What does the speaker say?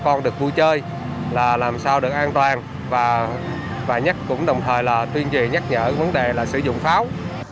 cho bà con được vui chơi là làm sao được an toàn và nhắc cũng đồng thời là tuyên truyền nhắc nhở vấn đề là sử dụng pháo